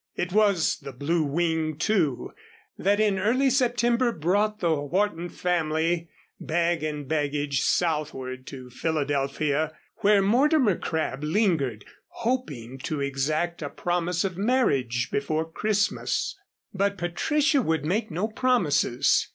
It was the Blue Wing, too, that in early September brought the Wharton family, bag and baggage, southward to Philadelphia, where Mortimer Crabb lingered, hoping to exact a promise of marriage before Christmas. But Patricia would make no promises.